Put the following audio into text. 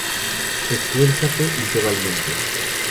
Esfuérzate y sé valiente.